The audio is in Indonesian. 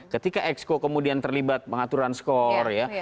ketika exco kemudian terlibat pengaturan skor ya